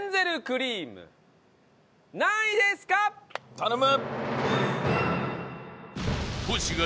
頼む！